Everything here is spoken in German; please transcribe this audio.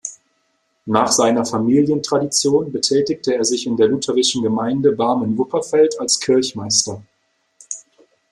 Nach seiner Familientradition betätigte er sich in der lutherischen Gemeinde Barmen-Wupperfeld als Kirchmeister.